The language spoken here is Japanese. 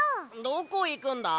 どこいくんだ？